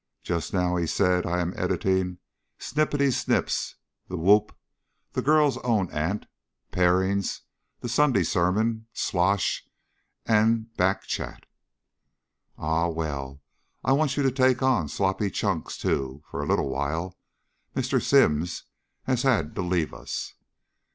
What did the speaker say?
"Just now," he said, "I am editing Snippety Snips, The Whoop, The Girls' Own Aunt, Parings, The Sunday Sermon, Slosh and Back Chat." "Ah! Well, I want you to take on Sloppy Chunks, too, for a little while. Mr. Symes has had to leave us."